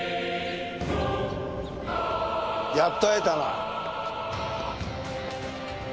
やっと会えたな。